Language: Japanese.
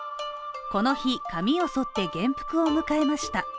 この日、髪を剃って元服を迎えました。